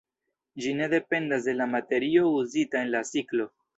Ĝi ne dependas de la materio uzita en la ciklo.